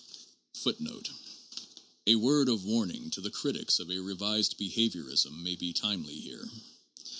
6 6 A word of warning to the critics of a revised behaviorism may be timely here.